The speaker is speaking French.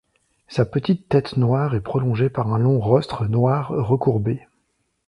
Sa petite tête noire est prolongée par un long rostre noir recourbé.